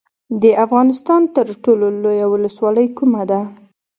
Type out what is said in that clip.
د افغانستان تر ټولو لویه ولسوالۍ کومه ده؟